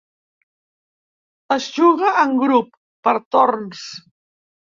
Es juga en grup, per torns.